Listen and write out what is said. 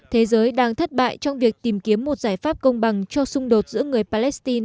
thế giới đang thất bại trong việc tìm kiếm một giải pháp công bằng cho xung đột giữa người palestine